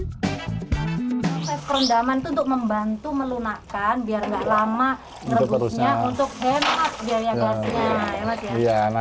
proses perundaman itu untuk membantu melunakan biar nggak lama rebusnya untuk hemat biar ya gasnya